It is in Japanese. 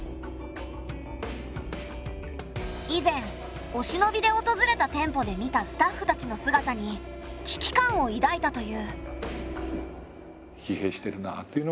以前おしのびで訪れた店舗で見たスタッフたちの姿に危機感をいだいたという。